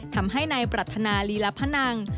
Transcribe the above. ทำให้นายปรัฐนาลีลพนัง